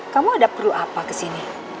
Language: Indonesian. kamu ada perlu apa kesini